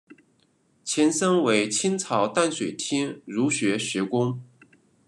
前身为清朝淡水厅儒学学宫。